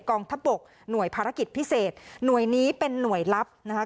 กองทัพบกหน่วยภารกิจพิเศษหน่วยนี้เป็นหน่วยลับนะคะ